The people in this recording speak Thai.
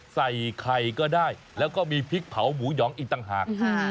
ใส่ไข่ก็ได้แล้วก็มีพริกเผาหมูหยองอีกต่างหาก